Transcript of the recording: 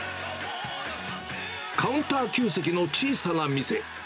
カウンター９席の小さな店。